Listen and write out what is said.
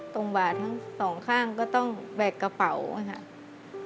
บ่าทั้งสองข้างก็ต้องแบกกระเป๋าค่ะ